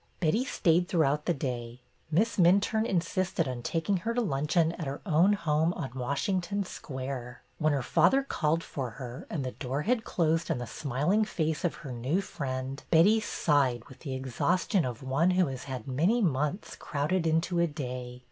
Betty stayed throughout the day. Miss Min turne insisted on taking her to luncheon at her own home on Washington Square. When her father called for her and the door had closed on the smiling face of her new friend, Betty sighed with the exhaustion of one who has had many months crowded into a day.